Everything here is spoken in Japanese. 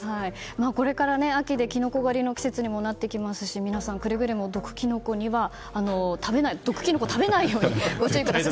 これから秋でキノコ狩りの季節にもなってきますし皆さん、くれぐれも毒キノコを食べないようにご注意ください。